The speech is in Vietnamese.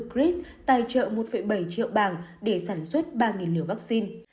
grif tài trợ một bảy triệu bảng để sản xuất ba liều vaccine